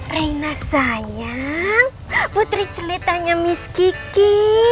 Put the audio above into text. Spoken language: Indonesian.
rena sayang putri celitanya miss kiki